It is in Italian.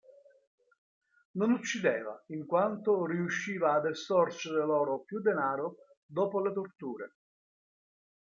Non uccideva, in quanto riusciva ad estorcere loro più denaro dopo le torture.